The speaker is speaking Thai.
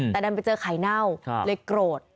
แต่ดันไปเจอไข่เน่าเลยโกรธ